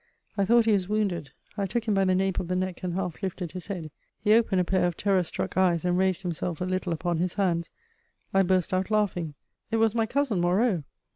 I thought he was wounded: I took him by the nape of the neck and half lifted his head. He opened a pair of terror struck eyes and raised himself a little upon his hands. I burst out laughing: it was my cousin Moreau!